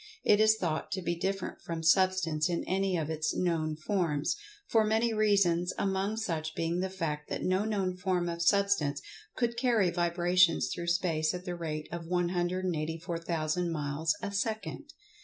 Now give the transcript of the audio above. It is thought to be different from Substance in any of its known forms, for many reasons, among such being the fact that no known form of Substance could carry vibrations through space at the rate of 184,000 miles a second.